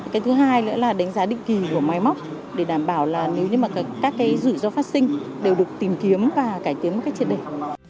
cái thứ hai nữa là đánh giá định kỳ của máy móc để đảm bảo là nếu như mà các cái rủi ro phát sinh đều được tìm kiếm và cải tiến một cách triệt đề